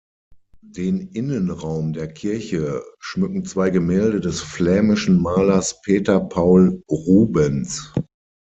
Den Innenraum der Kirche schmücken zwei Gemälde des flämischen Malers Peter Paul Rubens.